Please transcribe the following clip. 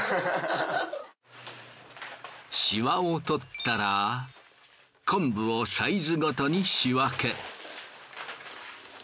シワをとったら昆布をサイズごとに仕分け。